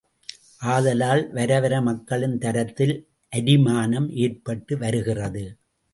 ஆதலால் வரவர மக்களின் தரத்தில் அரிமானம் ஏற்பட்டு வருகிறது.